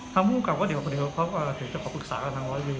ท่านผู้กราบก็เดี๋ยวพอเดี๋ยวเขาจะขอปรึกษากันทั้ง๑๐๐ปี